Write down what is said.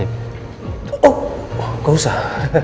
oh gak usah